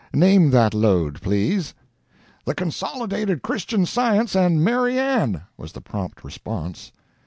Name that lode, please." "The Consolidated Christian Science and Mary Ann!" was the prompt response.